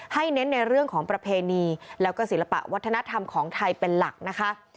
เน้นในเรื่องของประเพณีแล้วก็ศิลปะวัฒนธรรมของไทยเป็นหลักนะคะ